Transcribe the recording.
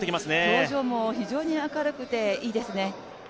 表情も非常に明るくていいですね。